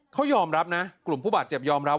เขายอมรับนะกลุ่มผู้บาดเจ็บยอมรับ